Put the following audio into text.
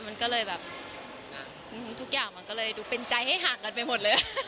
มันก็เลยแบบทุกอย่างมันก็เลยดูเป็นใจให้ห่างกันไปหมดเลย